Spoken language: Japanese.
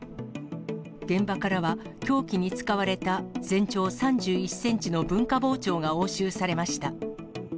現場からは凶器に使われた全長３１センチの文化包丁が押収されました。